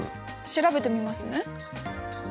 調べてみますね。